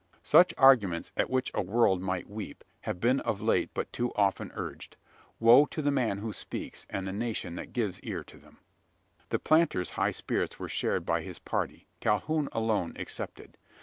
Such arguments at which a world might weep have been of late but too often urged. Woe to the man who speaks, and the nation that gives ear to them! The planter's high spirits were shared by his party, Calhoun alone excepted.